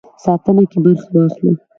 ساتنه کې برخه واخلو.